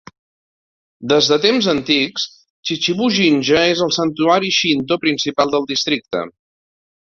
Des de temps antics, Chichibu-jinja és el santuari Shinto principal del districte.